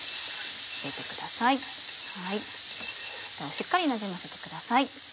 しっかりなじませてください。